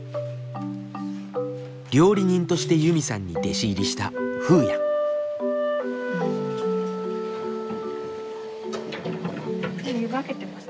料理人としてユミさんに弟子入りしたもう湯がけてますね。